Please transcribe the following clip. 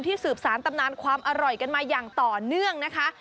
สืบสารตำนานความอร่อยกันมาอย่างต่อเนื่องนะคะ